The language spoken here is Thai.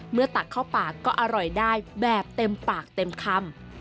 ตักเข้าปากก็อร่อยได้แบบเต็มปากเต็มคำ